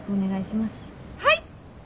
はい！